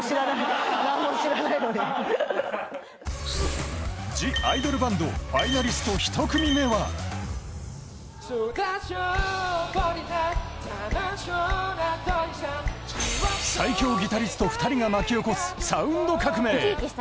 何も知らないのにＴＨＥＩＤＯＬＢＡＮＤファイナリスト１組目は最強ギタリスト２人が巻き起こすサウンド革命！